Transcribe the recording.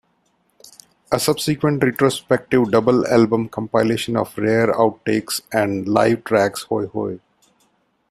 A subsequent retrospective double album compilation of rare outtakes and live tracks, Hoy-Hoy!